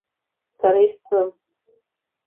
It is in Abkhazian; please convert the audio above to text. Сара истәым.